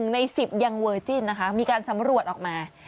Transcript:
ใน๑๐ยังเวอร์จิ้นนะคะมีการสำรวจออกมา